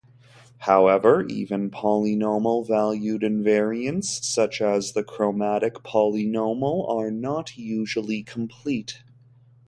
However, even polynomial-valued invariants such as the chromatic polynomial are not usually complete.